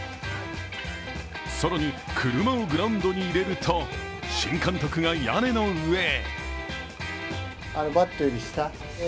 更に車をグラウンドに入れると、新監督が屋根の上へ。